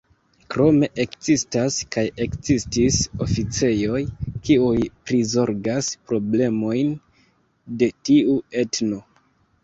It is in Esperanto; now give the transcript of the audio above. Krome ekzistas kaj ekzistis oficejoj, kiuj prizorgas problemojn de tiu etno.